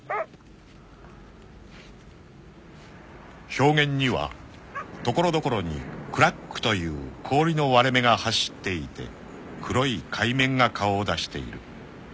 ［氷原には所々にクラックという氷の割れ目が走っていて黒い海面が顔を出している］